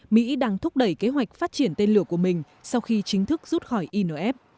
mỹ đang thúc đẩy kế hoạch phát triển tên lửa của mình sau khi chính thức rút khỏi inf